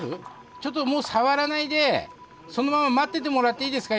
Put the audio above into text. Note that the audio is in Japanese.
ちょっともう触らないでそのまま待っててもらっていいですか？